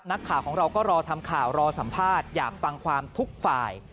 นักข่าวของเราก็รอทำข่าวรอสัมภาษณ์อยากฟังความทุกฝ่าย